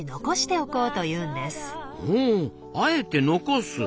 ほうあえて残す。